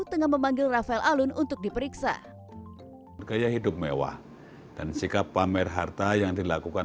tengah memanggil rafael alun untuk diperiksa gaya hidup mewah dan sikap pamer harta yang dilakukan